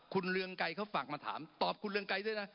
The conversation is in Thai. คุณเรืองไกรเขาฝากมาถามตอบคุณเรืองไกรด้วยนะ